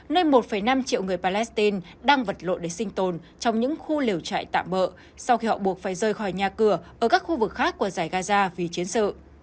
nơi một năm triệu người palestine đang vật lộ để sinh tồn trong những khu liều trại tạm bỡ sau khi họ buộc phải rời khỏi nhà cửa ở các khu vực khác của giải gaza vì chiến sự